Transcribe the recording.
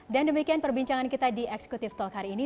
dan demikian perbincangan kita di eksekutif talk hari ini